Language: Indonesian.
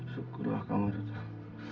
syukurlah kamu tetap